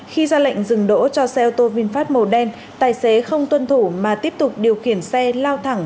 khi ra lệnh dừng đỗ cho xe ô tô vinfast màu đen tài xế không tuân thủ mà tiếp tục điều khiển xe lao thẳng